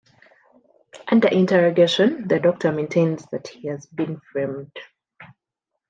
Under interrogation, the Doctor maintains that he has been framed.